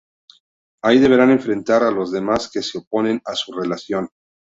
Ahí deberán enfrentar a los demás que se oponen a su relación.